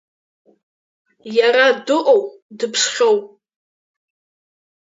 Иара дыҟоу, дыԥсхьоу?